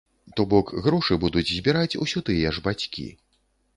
То бок грошы будуць збіраць усё тыя ж бацькі.